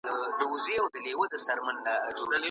که مورنۍ ژبه وي، نو پیچلتیا به نه وي.